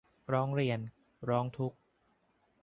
ร้องเรียน ร้องทุกข์